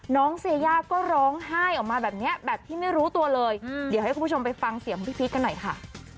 เซย่าก็ร้องไห้ออกมาแบบนี้แบบที่ไม่รู้ตัวเลยเดี๋ยวให้คุณผู้ชมไปฟังเสียงของพี่พีชกันหน่อยค่ะ